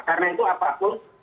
karena itu apapun